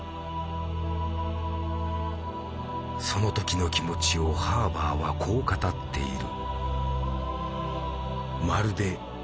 その時の気持ちをハーバーはこう語っている。